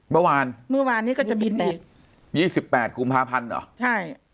เมื่อวานเมื่อวานนี้ก็จะบินอีกยี่สิบแปดกุมภาพันธ์เหรอใช่